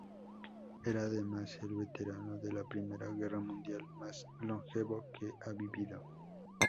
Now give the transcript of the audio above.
Era además el veterano de la Primera Guerra Mundial más longevo que ha vivido.